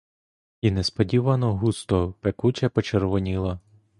І несподівано густо, пекуче почервоніла.